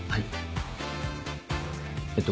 えっと